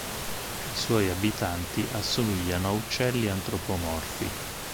I suoi abitanti assomigliano a uccelli antropomorfi.